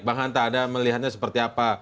bang hanta anda melihatnya seperti apa